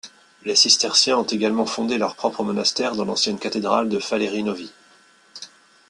Les cisterciens ont également fondé leur propre monastère dans l'ancienne cathédrale de Faleri Novi.